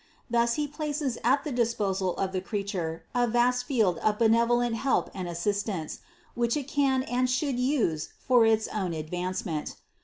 Thus He places at the disposal of the creature a vast field of benevolent help and assistance, which it can and should use for its own advancement.